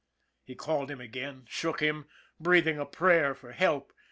He called him again, shook him, breathing a prayer for help.